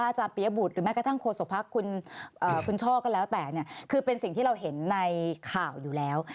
อาจารย์ปียบุตรหรือแม้กระทั่งโฆษกภักดิ์คุณช่อก็แล้วแต่เนี่ยคือเป็นสิ่งที่เราเห็นในข่าวอยู่แล้ว